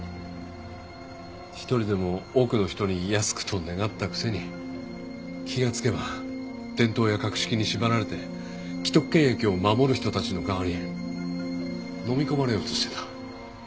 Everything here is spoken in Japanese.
一人でも多くの人に安くと願ったくせに気がつけば伝統や格式に縛られて既得権益を守る人たちの側にのみ込まれようとしていた。